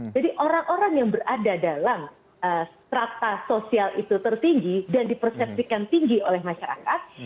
jadi orang orang yang berada dalam serata sosial itu tertinggi dan dipersepsikan tinggi oleh masyarakat